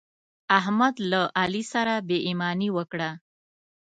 احمد له علي سره بې ايماني وکړه.